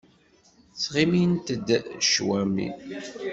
Ttɣimint-d cwami.